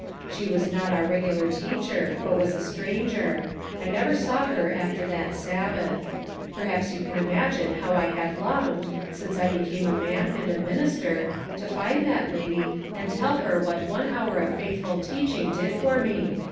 She was not our regular teacher, but was a stranger; I never saw her after that Sabbath. Perhaps you can imagine how I have longed, since I became a man and a minister, to find that lady, and tell her what one hour of faithful teaching did for me.